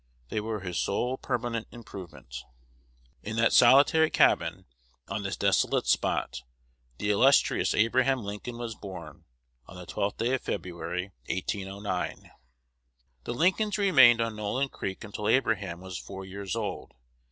They were his sole permanent improvement. In that solitary cabin, on this desolate spot, the illustrious Abraham Lincoln was born on the twelfth day of February, 1809. The Lincolns remained on Nolin Creek until Abraham was four years old.